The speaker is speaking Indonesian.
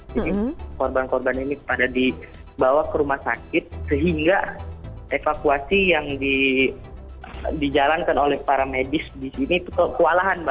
jadi korban korban ini pada dibawa ke rumah sakit sehingga evakuasi yang dijalankan oleh para medis di sini itu kewalahan mbak